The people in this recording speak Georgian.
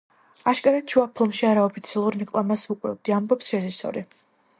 აშკარად შუა ფილმში არაოფიციალურ რეკლამას ვუყურებდი – ამბობს რეჟისორი.